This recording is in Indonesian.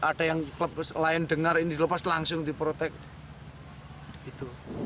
ada yang klub lain dengar ini dilepas langsung diprotek gitu